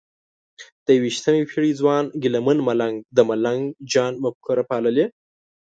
د یویشتمې پېړۍ ځوان ګیله من ملنګ د ملنګ جان مفکوره پاللې؟